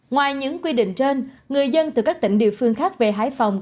ngoài những quy định trên người dân từ các tỉnh địa phương khác về hải phòng